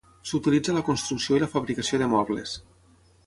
S'utilitza a la construcció i la fabricació de mobles.